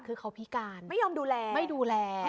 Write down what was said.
คือเขาพิการไม่ยอมดูแลไม่ดูแล